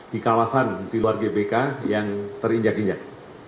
di kawasan di luar gbk yang terinjak injak